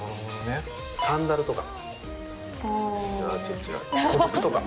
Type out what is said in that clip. サンダルとか。